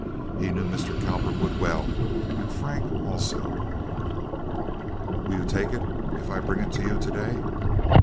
He knew Mr. Cowperwood well—and Frank also. "Will you take it if I bring it to you to day?"